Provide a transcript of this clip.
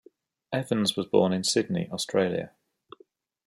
Evans was born in Sydney, Australia.